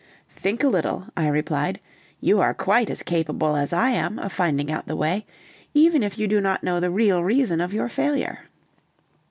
"Think a little," I replied, "you are quite as capable as I am of finding out the way, even if you do not know the real reason of your failure."